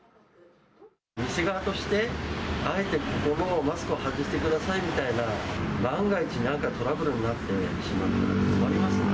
店側として、あえてここもマスクを外してくださいとか、万が一、なんかトラブルになっても困りますんで。